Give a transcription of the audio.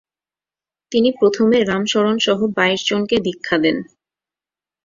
তিনি প্রথমে রামশরণসহ বাইশজনকে দীক্ষা দেন।